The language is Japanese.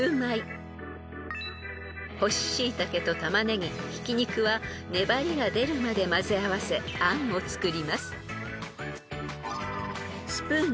［干しシイタケとタマネギひき肉は粘りが出るまでまぜ合わせあんを作ります］